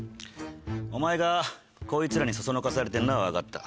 お前がこいつらに唆されてんのは分かった。